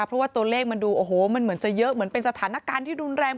เพราะว่าตัวเลขมันดูโอ้โหมันเหมือนจะเยอะเหมือนเป็นสถานการณ์ที่รุนแรง